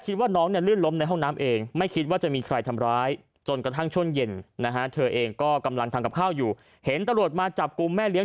ก็กำลังทำกับข้าวอยู่เห็นตะลดมาจับกุ้มแม่เรียง